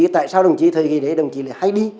tại sao đồng chí thời kỳ thế đồng chí lại hay đi